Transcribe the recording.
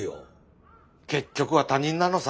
結局は他人なのさ。